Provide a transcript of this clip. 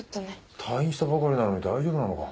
退院したばかりなのに大丈夫なのか？